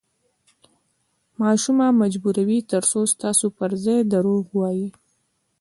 ماشوم مه مجبوروئ، ترڅو ستاسو پر ځای درواغ ووایي.